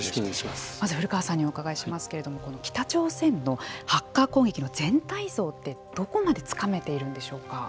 まず古川さんにお伺いしますけれどもこの北朝鮮のハッカー攻撃の全体像ってどこまでつかめているんでしょうか。